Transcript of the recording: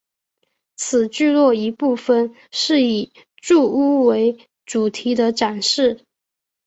此聚落一部份是以住屋为主题的展示。